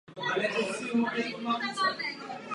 Patnáctý byl Roman Mrázek a sedmnáctý Pavol Blažek.